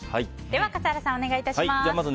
では笠原さん、お願い致します。